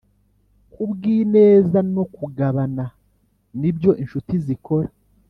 kubwineza no kugabana nibyo inshuti zikora